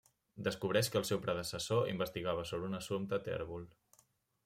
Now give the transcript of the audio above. Descobreix que el seu predecessor investigava sobre un assumpte tèrbol.